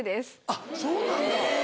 あっそうなんだ